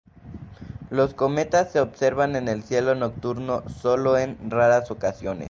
Los cometas se observan en el cielo nocturno solo en raras ocasiones.